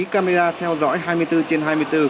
camera theo dõi hai mươi bốn trên hai mươi bốn